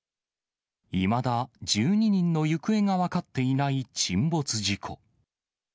いまだ１２人の行方が分かっていない沈没事故。